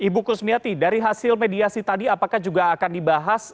ibu kusmiati dari hasil mediasi tadi apakah juga akan dibahas